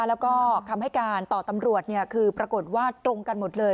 แล้วก็คำให้การต่อตำรวจคือปรากฏว่าตรงกันหมดเลย